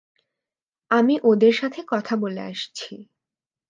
আমি ওদের সাথে কথা বলে আসছি।